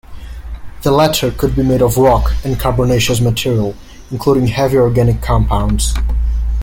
The latter could be made of rock and carbonaceous material including heavy organic compounds.